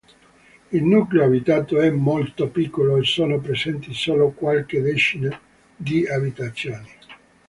Il nucleo abitato è molto piccolo e sono presenti solo qualche decina di abitazioni.